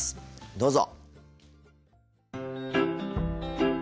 どうぞ。